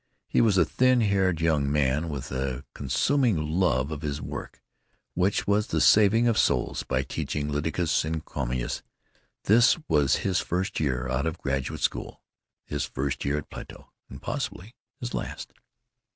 He was a thin haired young man, with a consuming love of his work, which was the saving of souls by teaching Lycidas and Comus. This was his first year out of graduate school, his first year at Plato—and possibly his last.